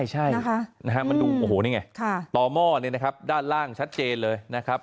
ใช่นะฮะมันดูโอ้โหนี่ไงต่อหม้อนี่นะครับด้านล่างชัดเจนเลยนะครับ